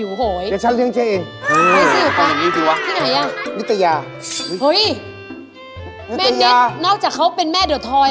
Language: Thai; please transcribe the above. มันนิชนอกจากเค้าเป็นแม่เดาทอย